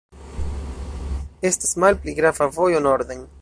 Estas malpli grava vojo norden.